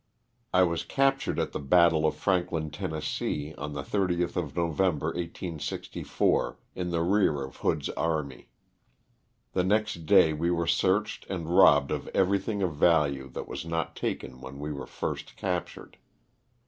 I was captured at the battle of Franklin, Tenn., on the 30th of November, 1864, in the rear of Hood's Army. The next day we were searched and robbed of everything of value that was not taken when we were first captured.